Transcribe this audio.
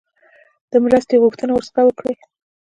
د مرستې غوښتنه ورڅخه وکړي.